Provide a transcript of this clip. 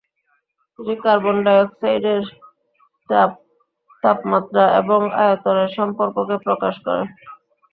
তিনি কার্বন ডাই অক্সাইডের চাপ, তাপমাত্রা এবং আয়তনের সম্পর্ককে প্রকাশ করে।